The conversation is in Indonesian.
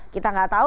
kita nggak tahu